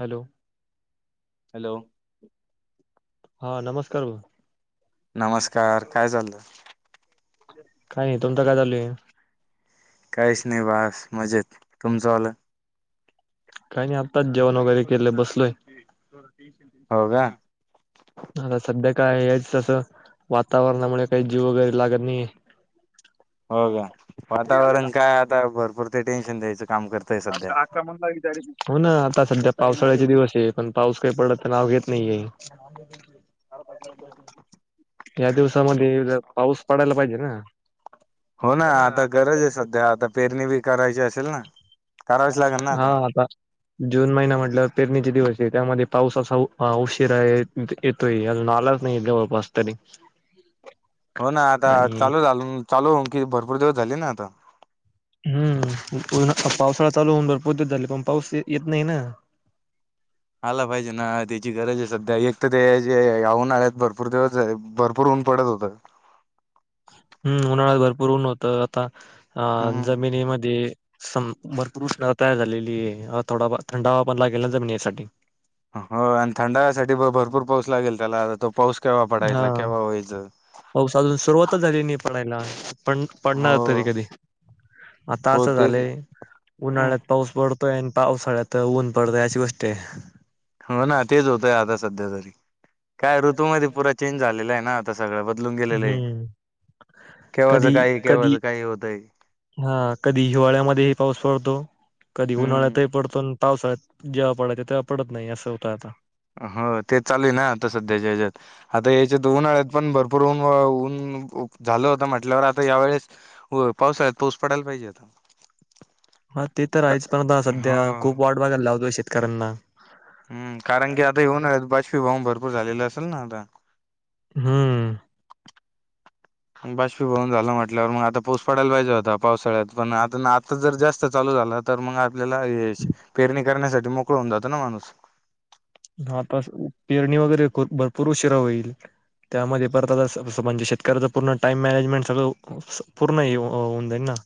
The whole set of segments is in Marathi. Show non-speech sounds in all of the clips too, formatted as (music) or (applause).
Hello hello. हा नमस्कार भा नमस्कार काय चाललं काय नाही तुमचं काय चालूय काहीच नाही बास मजेत तुमचं आलं काही नाही आताच जेवण वगैरे केलं बसलोय हो का आता सध्या काय हेच असं वातावरणामुळे काही जीव वगैरे लागत नाही हो का वातावरण काय आता भरपूर ते टेन्शन द्यायचं काम करतय सध्या आक्रमण लाग हो ना आता सध्या पावसाळ्याचे दिवस आहे पण पाऊस काही पडला तर नाव घेत नाहीये या दिवसामध्ये पाऊस पडायला पाहिजे ना हो ना आता गरज आहे सध्या आता पेरणी बी करायची असेल ना करावीच लागेल ना आता जून महिना म्हटलं पेरणीचे दिवस आहे त्यामध्ये पाऊस असा उशीर आहे त नालाच नाही जवळ बस तरी हो ना आता आणि चालू झाल चालू कि भरपूर दिवस झाले ना आता हम् पावसाळा चालू होऊन भर पोतच झाले पण पाऊस येत नाही ना आला पाहिजे ना त्याची गरज आहे सध्या एक तर ते जे आहून आळत भरपूर दिवस आहे भरपूर ऊन पडत होतं हम्म उन्हाळ्यात भरपूर उन्हवतं आता अ हम्म जमिनीमध्ये स भरपूर उष्णता तयार झालेली आहे थोडा थंडावा पण लागेल ना जमीन यासाठी हो आणि थंडासाठी भरपूर पाऊस लागेल त्याला आ तो पाऊस केव्हा पडायचा केव्हा व्हायचा होसजून सुरुवातच झाली नाही पडायला पण हो पडणार तरी कधी आता हो असं तेच ना झालंय हम्म, उन्हाळ्यात पाऊस पडतोय आणि पावसाळ्यात ऊन पडतय अची गोष्टी आहे हो ना तेच होतय आता सध्या तरी काय ऋतूमध्येध्ये पुरा चेंज झालेला आहे ना सगळं बदलून गेलेलं आहे हम्म. केव्हाच काही केव्हाच काही होतंय हा कधी हिवाळ्यामध्येही पाऊस पडतो कधी हम्म उन्हाळ्यातही पडतो पावस जेव्हा पडायचा तेव्हा पडत नाही असं होतं आता हो ते चालू आहे ना आता सध्या जच्यात आता याच्या दोन आळ्यात पण भरपूर ऊन ऊन झालं होत म्हटल्यावर आता यावेेळेस हो पावसाळ्यात पाऊस पडायला पाहिजे आता हा ते तर का आहेच पण सध्या हो खूप वाट बघायला लावतोय शेतकऱ्यांना हम् कारण की आता येऊन बाजपीऊन भरपूर झालेलं असेल ना आता हम्म बाष्पीभवून झाला म्हटल्यावर मग आता पाऊस पडायला पाहिजे होता पावसाळ्यात पण आता आता जर जास्त चाल झालात तर मग आपल्याला पेरणी करण्यासाठी मोकळ होऊन जातो ना माणूस ह आता पेरणी वगैरे भरपूर उशिरा होईल त्यामध्ये परत म्हणजे शेतकऱ्याच पूर्ण टाइम मॅनेजमेंट सगळं पूर्ण होऊन जाईल ना (inaudible)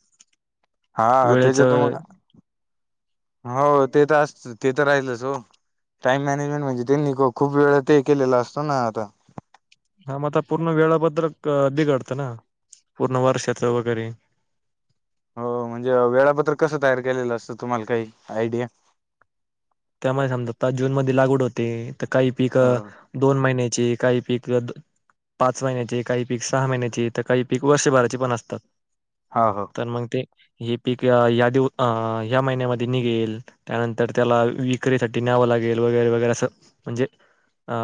हा वेळेच त्याच्या तुम हो ते तर असत ते तर राहिलच हो टाइम मॅनेजमेंट म्हणजे त्यांनी खूप वेळा ते केलेला असतो ना आता हा म आता पूर्ण वेळाबद्दल बिघडतं ना पूर्ण वर्षाच वगैरे हो म्हणजे वेळापत्र कसं तयार केलेलं असतं तुम्हाला काही आयडिया त्यामुळे समजा आता जूनमध्येध्ये लागवड होते तर काही पीक हा दोन महिन्याची काही पीक पाच महिन्याचे काही पीक सहा महिन्याचे तर काही पीक वर्षभराचे पण असतात हो हो तर मग ते हे पीक या दिवस ह्या महिन्यामध्ये निघेल त्यानंतर त्याला विकरीसाठी न्यावं लागेल वगैरे वगैरे असं म्हणजे अ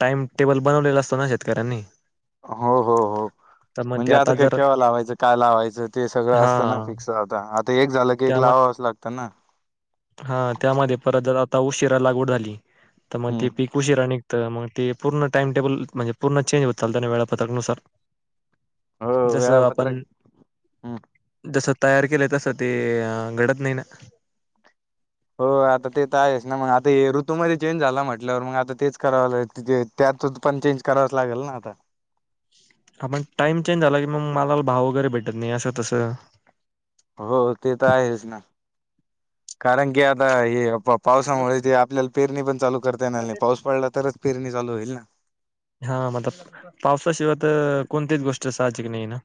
टाइम टेबल बनवलेला असतो ना शेतकऱ्यांनी हो हो हो. तर मग ते म्हणजे आता काय जर केव्हा लावायचं काय लावायचं ते सगळं हा असताना फिक्स आता एक झालं की, एक त्या लावावंच लागत. त्यांना. हा त्यामध्ये परत जर आता उशिरा लागवड झाली तर मग हम्म ते पीक उशिरा नि तर मग ते पूर्ण टाइम टेबल म्हणजे पूर्ण चेंज होत. चाल त्याना वेळापत्रकनुसार. हो जसं वेळापत्रक आपण. हम्म जसं तयार केलंय तसं ते घडत नाही ना. हो आता ते तर आहेस ना मग आता ऋ तु मध्ये चेंज झाला म्हटल्यावर मग आता तेच करावं ला त्यातच पण चेंज करावच लागेल ना आता. हा पण टाइम चेंज झाला की, मग मला भाव वगैरे भेटत नाही असं तसं. हो ते तर आहेच ना कारण की, आता हे आप पावसामुळे ते आपल्याला पेरणी पण चालू करता येणार नाही पाऊस पडला तरच पेरणी चालू होईल ना. हा म पावसाशिवाय तर कोणतीच गोष्ट साहजिक नाही ना.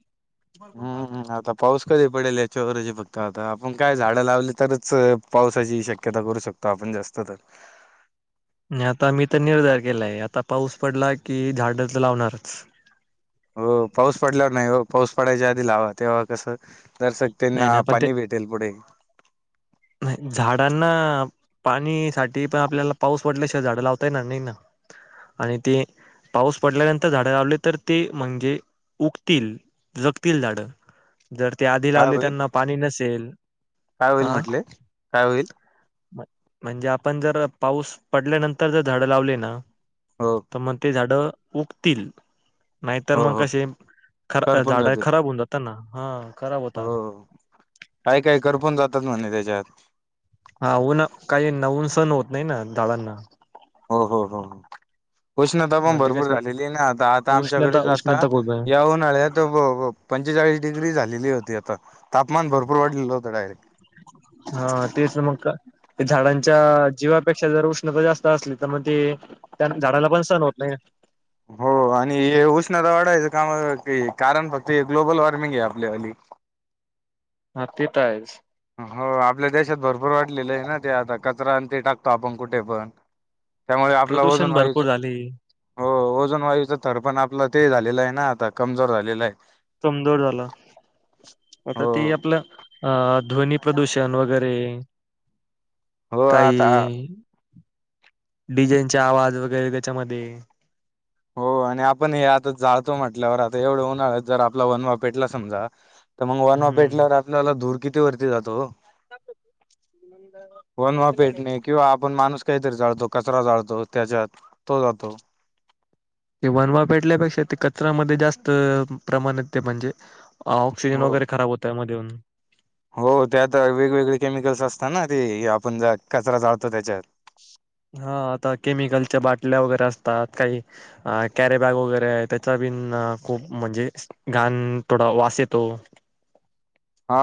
हम्म आता पाऊस कधी पडेल याच्यावर ज फक्त आता आपण काय झाडं लावली तरच पावसाची शक्यता करू शकतो. त आपण जास्त तर. नाही आता मी तर निर्धार केलाय आता पाऊस पडला की झाड तर लावणारच. हो पाऊस पडल्यावर नाही हो पाऊस पडायच्या आधी लावा तेव्हा कसं दर्सक नाही त्यांना नाही पण ते पाणी भेट तेलपडे. नाही झाडांना पाणी साठी पण आपल्याला पाऊस पड ल्याशिवाय झाडं लावता येणार नाही ना. आणि ते पाऊस पडल्यानंतर झाडं लावले तर ते म्हणजे उगतील. जगतील झाड जर ते आधी काय लावले होईल त्यांना पाणी नसेल काय होईल आ. म्हटले काय होयल. म्ह म्हणजे आपण जर पाऊस पडल्यानंतर जर झाडं लावली ना. हो. तर मग ते झाडं उगतील नाहीतर हो मग हो कसे ख करपून झाड जातील खराब होऊन जातील. ना हा खराब होतात. हो काय काय करपून जातात म्हंटलं त्याच्यात. हा ऊन काही नऊन सण होत नाही ना झाडांना. हो हो हो हो. उष्णता पण मग ते भरपूर कसं झालेली ना आता आता उष्णता आमच्याकडेच आता उष्णता खूप आहे येऊन. उळ्यात पंचेचाळीस डिग्री झालेली होती. आता तापमान भरपूर वाढलेलं होतं, डायरेक्ट हा तेच मग का. ते झाडांच्या जीवापेक्षा जर उष्णता जास्त असली तर मग ते. त्या झाडाला पण सण होत नाही. हो आणि हे उष्णता वाढायचं कामा कारण फक्त हे ग्लोबल वॉर्मिंग आहे. आपल्यासाठी. हा ते तर आहेच. हो आपल्या देशात भरपूर वाढलेले आहे. ना ते आता कचरा आणि ते टाकतो आपण कुठे पण. त्यामुळे आपलं प्रदूषण ओझोन वायूचा भरपूर झाले हो ओझोन वायूचा थरपण आपलं ते झालेलं आहे. ना आता कमजोर झालेला आहे. कमजोर झाला आता ते हो आपलं अ ध्वनी प्रदूषण वगैरे. हो आता काही. डिजेन आवाज वगैरे त्याच्यामध्ये हो आणि आपण हे आता जाळतो म्हटल्यावर आता एवढं उन्हाळत जर आपला वनवा पेटला समजा तर मग वन हम्म पेटल्यावर आपल्याला धूर किती वरती जातो हो. वनवा पेटणे किंवा आपण माणूस काहीतरी चाळतो कचरा चाळतो त्याच्यात तो जातो. वनवा पेटल्यापेक्षा ते कचरामध्ये जास्त प्रमाणात ते म्हणजे अ ऑक्सिजन हो वगैरे खराब होत आहे मधून. हो त्यात वेगवेगळे केमिकल्स असता ना ते आपण ज कचरा जाळतो त्याच्यात. हा आता केमिकलच्या बाटल्या वगैरे असतात काही अ कॅरे बॅग वगैरे आहे त्याचा बिन खूप म्हणजे गण थोडा वास येतो हा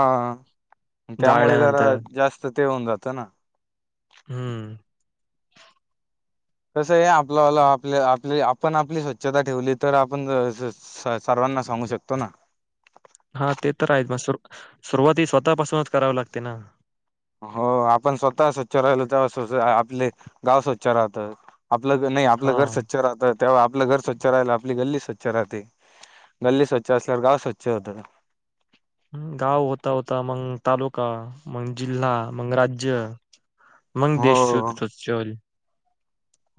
त्यामुळे जरा जाळल्यानंतर जास्त ते होऊन जातं ना हम्म तसं आहे आपलंला आपले आपले आपण आपली स्वच्छता ठेवली तर आपण स सर्वांना सांगू शकतो ना हा ते तर आहेत मग सुर सुरुवाती स्वतःपासूनच करावी लागते ना हो आपण स्वतः स्वच्छ राहिलो तेव्हा स्व आपले गाव स्वच्छ राहतात आपलं नाही आपलं हा घर स्वच्छ राहतात तेव्हा आपलं घर स्वच्छ राहिलं आपली गल्ली स्वच्छ राहते गल्ली स्वच्छ असल्यावर गाव स्वच्छ होतं गाव होता होता मंग तालुका मंग जिल्हा मंग राज्य मंग देश हो ससल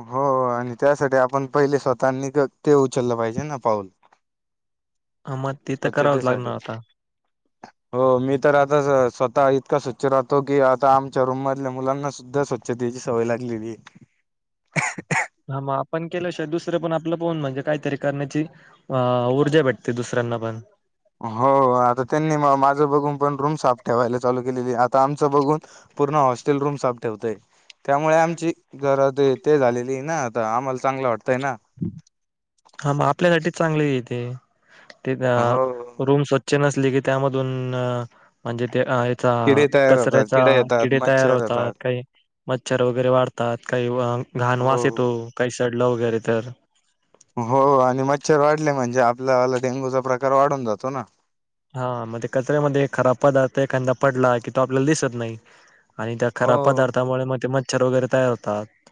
हो आणि त्यासाठी आपण पहिले स्वतःनी ते उचललं पाहिजे ना पाऊल ह मग तिथं करावंच स्वच्छतेसाठी लागणार आता हो मी तर आता स्वतः इतका स्वच्छ राहतो की आता आमच्या रूममधल्या मुलांना सुद्धा स्वच्छ ्छतेची सवय लागलेली हा मग आपण केलं श दुसरं पण आपलं पोन म्हणजे काहीतरी करण्याची अ ऊर्जा भेटते दुसऱ्यांना पण हो आता त्यांनी माझं बघून पण रूम साफ ठेवायला चालू केलेली आता आमचं बघून पूर्ण हॉस्टेल रूम साफ ठेवते त्यामुळे आमची जर ते ते झालेली ना आता आम्हाला चांगलं वाटतंय ना हा मग आपल्यासाठीच चांगले येते ते हो रूम नली की त्याधून म्हणजे चा किडे तयार होतात कचऱ्याचा येतात किडे तयार मच्छर होतात काही मच्छर वगैरे वाढतात काही घाण हो वास येतो काही सडलं वगैरे तर हो आणि मच्छर वाढले म्हणजे आपल्याला डेंगूचा प्रकार वाढून जातो ना हा म्हणजे कचऱ्यामध्ये खराब पदार्थ एखादा पडला की तो आपल्याला दिसत नाही आणि त्या हो खराब पदार्ामुळे मग ते म मच्छर वगैरे तयार होतात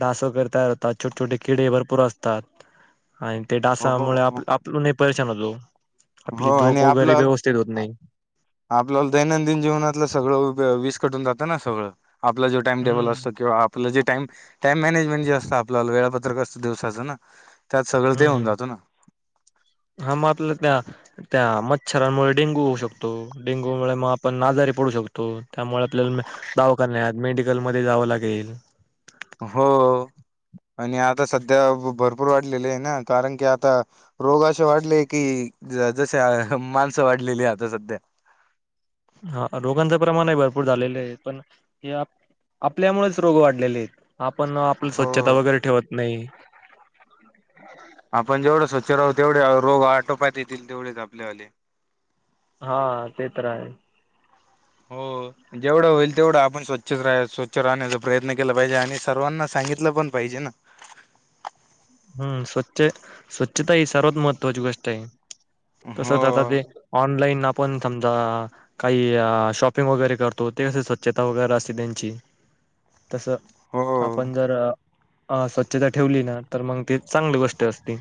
डास वगैरे तयार होतात छोटे छोटे किडे भरपूर असतात आणि ते डासामुळे आप हो आपल नाही परशान होतो आपली हो झधोप आणि आपलं उपस्थित होत नाही आपल्याला दैनंदिन जीवनातलं सगळं वीज कटून जातं ना सगळं आपला जो टाइम टेबल हम्म असतं किंवा आपलं जे टाम टाइम मॅनेजमेंट जे असत आपल्याला वेळापत्रक कसं दिवसाचं ना त्यात सगळं ते हम्म होऊन हम्म जातो ना हा मग आपल्या त्या त्या मच्छरांमुळे डेंगू होऊ शकतो डेंगूमुळे मग आपण आजारी पडू शकतो त्यामुळे आपल्याला म दावा करण्यात मेडिकलमध्येध्ये जावं लागेल हो आणि आता सध्या भरपूर वाढलेले आहे ना कारण की आता रोग असे वाढले की जसे माणसं वाढलेली आता सध्या हा रोगांचं प्रमाणही भरपूर झालेलं आहे पण हे आपल्यामुळेच रोग वाढलेले आहेत आपण आपली हो स्वच्छता वगैरे ठेवत नाही आपण जेवढं स्वच्छ राहू तेवढे रोग आटोपात येतील तेवढेच आपले आले हा ते तर आहे हो जेवढं होईल तेवढं आपण स्वच्छ स्वच्छ राह स्वच्छ राहण्याचा प्रयत्न केला पाहिजे आणि सर्वांना सांगितलं पण पाहिजे ना हम्म स्वच्छ स्वच्छता ही सर्वात महत्त्वाची गोष्ट आहे तसच आता हो ते ऑनलाईन आपण समजा काही शॉपिंग वगैरे करतो ते क स्वच्छता वगैरे असते त्यांची तस हो आपण जर स्वच्छता ठेवली ना तर मग ती चांगली गोष्ट असते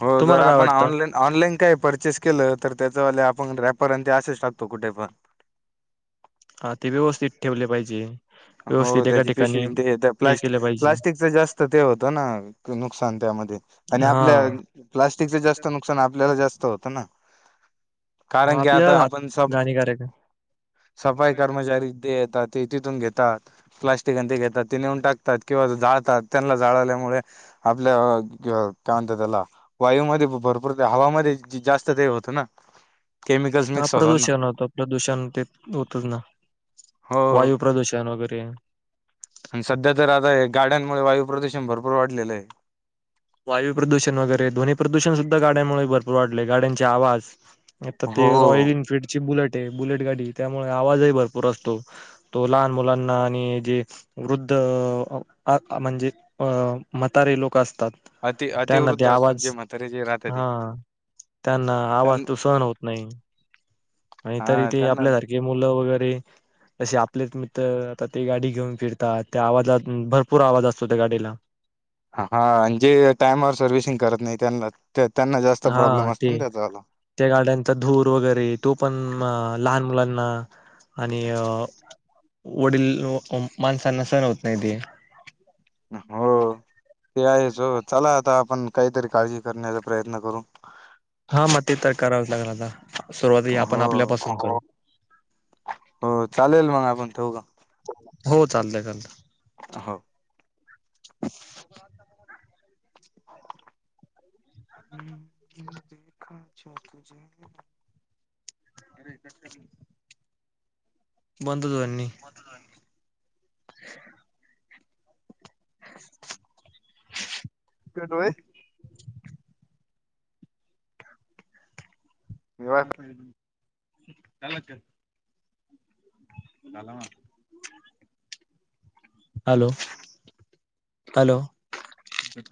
हो जर तुम्हाला काय आपण वाटतं? ऑनलाईन ऑनलाईन काय परचेस केलं तर त्याच्यावाले आपण रॅपर अ ते असेच टाकतो कुठे पण हा ते व्यवस्थित ठेवले पाहिजे हो व्यवस्थित एका त्याची ठिकाणी पिशवी हे प्लास्टिक केलं पाहिजे. प्लास्टिकच जास्त ते होतं ना नुकसान त्यामध्ये आणि हा आपल्या प्लास्टिकचं जास्त नुकसान आपल्याला जास्त होतं ना कारण की आता आपल्याला आपण स हात हानिकारक आहे. सफाई कर्मचारी ते येतात ते तिथून घेतात प्लास्टिक ते घेतात ते नेऊन टाकतात किंवा जाळतात त्यांना जाळवल्यामुळे आपल्या काय म्हणत त्याला वायूमध्ये भरपूर हवामध्ये जास्त ते होतं ना केमिकल्स हा मिक्स होतात ना प्रदूषण होतं प्रदूषण ते होतच ना हो वायू प्रदूषण वगैरे आणि सध्या तर आता हे गाड्यांमुळे वायू प्रदूषण भरपूर वाढलेलं आहे वायू प्रदूषण वगैरे ध्वनी प्रदूषण सुद्धा गाड्यांमुळे भरपूर वाढले गाड्यांचे आवाज आता ते रॉयल हो एन्फीलल्ड ची बुलेट आहे बुलेट गाडी त्यामुळे आवाजही भरपूर असतो तो लहान मुलांना आणि जे वृद्ध म्हणजे अ मतारे लोक असतात अति त्यांना ते अतिवृद्ध असतात जे आवाज म्हातारे जे राहतात ते हा त्यांना आवाज त्यांना तो सहन होत नाही आणि तरी हा ते त्यांना आपल्यासारखे मुलं वगैरे तसे आपलेच मित्र आता ते गाडी घेऊन फिरतात त्या आवाजात भरपूर आवाज असतो त्या गाडीला हा आणि जे टाइमवर सर्वि्हिसिंग करत नाही त्यांना त्यांना जास्त हा प्रॉब्लेम असतो ते ना त्याच्याला त्या गाड्यांचा धूर वगैरे तो पण लहान मुलांना आणि अ वडील माणसांना सहण होत नाही ते हो होम ते आहेच चला आता आपण काहीतरी काळजी करण्याचा प्रयत्न करू हा मग ते तर करावंच लागलता सुरुवात आपण हो आपल्या पसून करू हो चालेल मग आपण ठेवू का? हो चालतय चालत ह हम्म देखाछ तुझे अरे क बंदधनी (unintelligible) कटोय ब चल हॅलो हॅलो